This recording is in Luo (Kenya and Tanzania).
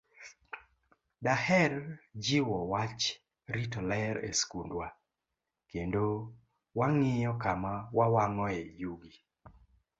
Daher jiwo wach rito ler e skundwa, kendo wang'iyo kama wawang'oe yugi.